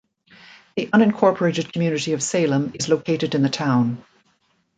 The unincorporated community of Salem is located in the town.